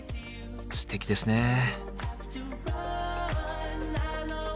すてきですね。